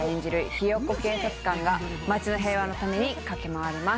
ひよっこ警察官が街の平和のために駆け回ります。